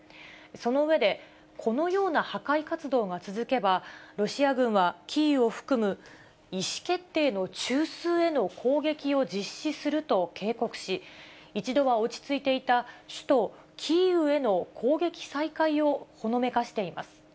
その上で、このような破壊活動が続けば、ロシア軍はキーウを含む意思決定の中枢への攻撃を実施すると警告し、一度は落ち着いていた首都キーウへの攻撃再開をほのめかしています。